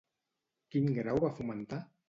Quin grau va fomentar?